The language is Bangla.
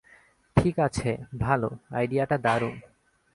ঠিক আছে, ভাল, আইডিয়াটা দারুণ।